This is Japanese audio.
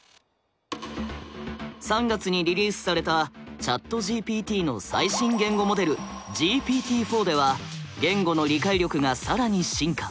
３月にリリースされたＣｈａｔＧＰＴの最新言語モデルＧＰＴー４では言語の理解力が更に進化。